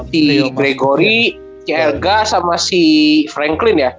si gregory si ergai sama si franklin ya